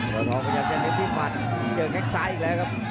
เมืองทองพยายามจะเน้นที่หมัดเจอแค่งซ้ายอีกแล้วครับ